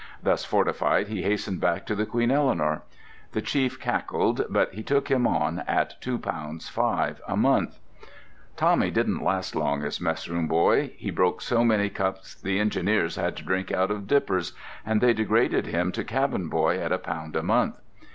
Thus fortified, he hastened back to the Queen Eleanor. The chief cackled, but he took him on at two pounds five a month. Tommy didn't last long as mess room boy. He broke so many cups the engineers had to drink out of dippers, and they degraded him to cabin boy at a pound a month.